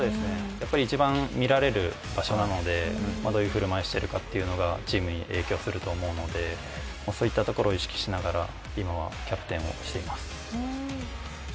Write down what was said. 一番見られる場所なので、どういう振る舞いをしているかがチームに影響すると思うのでそういったところを意識しながら今はキャプテンをしています。